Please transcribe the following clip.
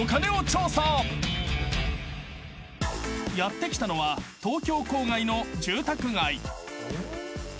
［やって来たのは東京郊外の住宅街］